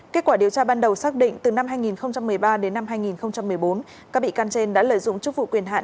kết quả điều tra ban đầu xác định từ năm hai nghìn một mươi ba đến năm hai nghìn một mươi bốn các bị can trên đã lợi dụng chức vụ quyền hạn